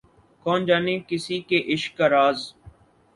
کون جانے کسی کے عشق کا راز